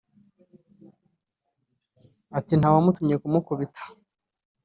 Ati « nta wamutumye kumukubita